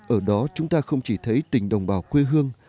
ở đó chúng ta không chỉ thấy tình đồng bào quê hương